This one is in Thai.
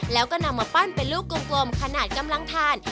แล้วก็นำมาปั้นเป็นลูกกลมขนาดกำลังทาน